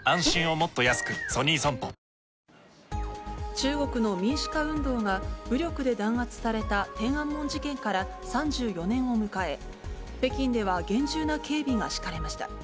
中国の民主化運動が、武力で弾圧された天安門事件から３４年を迎え、北京では厳重な警備が敷かれました。